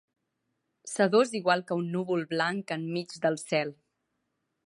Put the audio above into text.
Sedós igual que un núvol blanc enmig del cel.